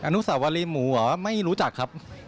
นุสาวรีหมูเหรอไม่รู้จักครับ